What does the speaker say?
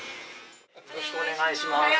よろしくお願いします。